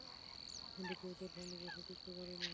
কিন্তু কেউ তার সামনে এসে টিকতে পারেনি।